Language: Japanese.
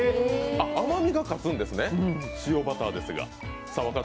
甘みが勝つんですね、塩バターですが。